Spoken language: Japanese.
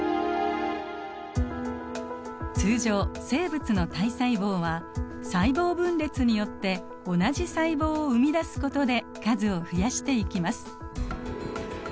通常生物の体細胞は細胞分裂によって同じ細胞を生み出すことで数を増やしていきます。